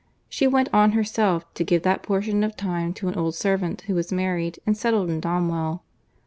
She went on herself, to give that portion of time to an old servant who was married, and settled in Donwell.